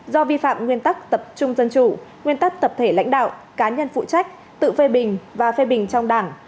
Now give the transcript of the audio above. do vi phạm nguyên tắc tập trung dân chủ nguyên tắc tập thể lãnh đạo cá nhân phụ trách tự phê bình và phê bình trong đảng